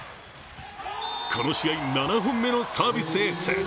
この試合、７本目のサービスエース。